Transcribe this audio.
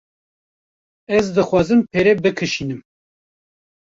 Ez dixwazim pere bikişînim.